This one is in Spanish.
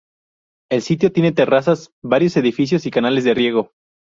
El sitio tiene terrazas, varios edificios y canales de riego.